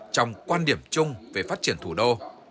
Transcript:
trong quan điểm chung về phát triển thủ đô